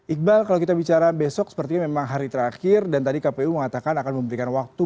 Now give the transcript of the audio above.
iqbal kalau kita bicara besok sepertinya memang hari terakhir dan tadi kpu mengatakan akan memberikan waktu